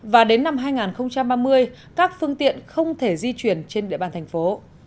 và đến năm hai nghìn ba mươi các phương tiện không thể di chuyển trên địa bàn thành phố